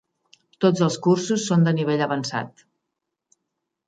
Tots els cursos són de nivell avançat.